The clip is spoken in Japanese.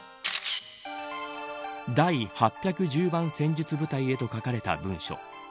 第８１０番戦術部隊へと書かれた文書。